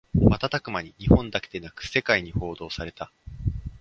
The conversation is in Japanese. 瞬く間に日本だけでなく世界に報道された